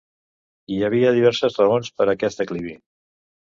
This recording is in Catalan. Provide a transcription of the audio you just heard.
Hi havia diverses raons per a aquest declivi.